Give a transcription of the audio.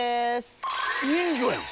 人魚やん！